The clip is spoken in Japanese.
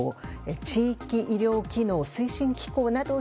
・地域医療機能推進機構